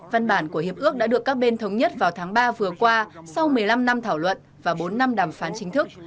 văn bản của hiệp ước đã được các bên thống nhất vào tháng ba vừa qua sau một mươi năm năm thảo luận và bốn năm đàm phán chính thức